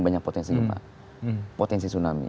banyak potensi gempa potensi tsunami